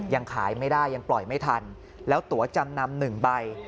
ยังขายไม่ได้ยังปล่อยไม่ทันแล้วตัวจำนำหนึ่งใบ